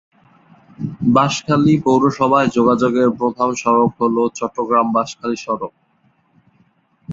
বাঁশখালী পৌরসভায় যোগাযোগের প্রধান সড়ক হল চট্টগ্রাম-বাঁশখালী সড়ক।